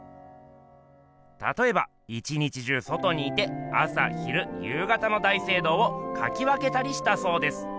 たとえば一日中外にいて朝昼夕方の大聖堂をかき分けたりしたそうです。